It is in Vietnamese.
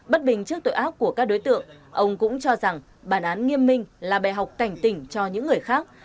bất bình trước tội ác của các đối tượng ông cũng cho rằng bản án nghiêm minh là bè học cảnh tỉnh cho những người khác